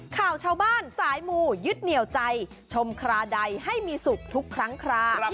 ข่าวชาวบ้านสายมูยึดเหนียวใจชมคราใดให้มีสุขทุกครั้งครา